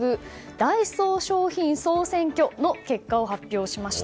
ダイソー商品総選挙の結果を発表しました。